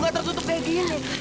gak tertutup kayak gini